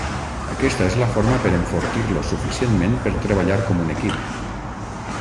Aquesta és la forma per enfortir-los suficientment per treballar com un equip.